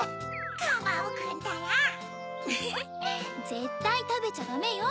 ぜったいたべちゃだめよ。